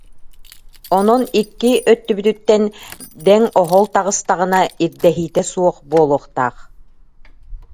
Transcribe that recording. Онон икки өттүбүтүттэн дэҥ-оһол таҕыстаҕына, ирдэһиитэ суох буолуохтаах»